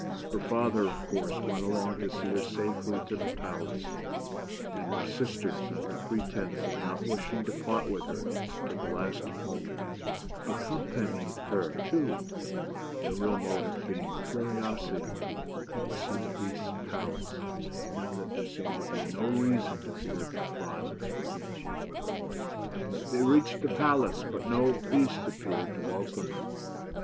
Her father, of course, went along to see her safely to the palace, and her sisters, 100 ; BEAUTY AND THE BEAST under pretence of not wishing to part with her till the last moment, accompanied her too ; their real motive being curi osity to see the Beast's palace, now that there seemed to be no reason to fear violence from him. They reached the palace, but no Beast appeared to welcome them.